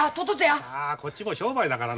あこっちも商売だからな。